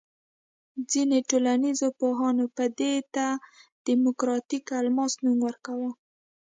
ځینې ټولنیز پوهانو به دې ته دیموکراتیک الماس نوم ورکاوه.